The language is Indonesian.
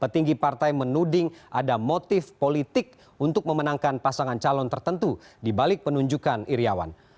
petinggi partai menuding ada motif politik untuk memenangkan pasangan calon tertentu dibalik penunjukan iryawan